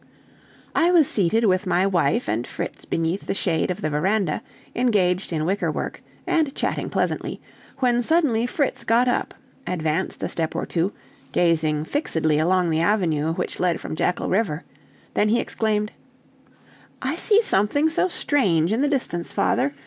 I was seated with my wife and Fritz beneath the shade of the veranda, engaged in wicker work, and chatting pleasantly, when suddenly Fritz got up, advanced a step or two, gazing fixedly along the avenue which led from Jackal River, then he exclaimed: "I see something so strange in the distance, father!